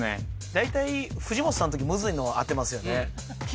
大体藤本さん時むずいの当てますよね